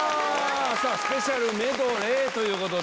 スペシャルメドレーということで。